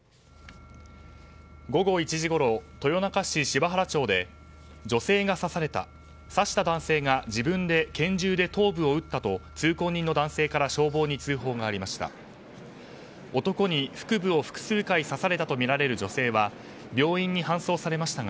午後１時ごろ豊中市柴原町で女性が刺された刺した男性が自分で拳銃で頭部を撃ったと通行人の男性から消防に通報がありました。